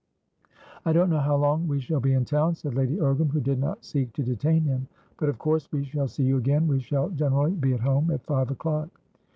"I don't know how long we shall be in town," said Lady Ogram, who did not seek to detain him, "but of course we shall see you again. We shall generally be at home at five o'clock."